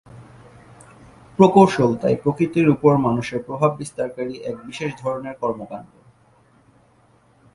প্রকৌশল তাই প্রকৃতির উপর মানুষের প্রভাব বিস্তারকারী এক বিশেষ ধরনের কর্মকাণ্ড।